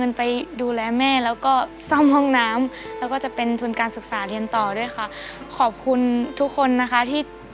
เอามารวมกันได้